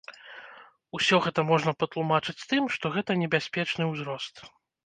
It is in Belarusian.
Усё гэта можна патлумачыць тым, што гэта небяспечны ўзрост.